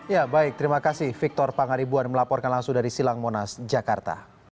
ya baik terima kasih victor pangaribuan melaporkan langsung dari silang monas jakarta